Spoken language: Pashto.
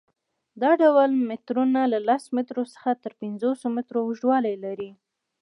دا ډول مترونه له لس مترو څخه تر پنځوس متره اوږدوالی لري.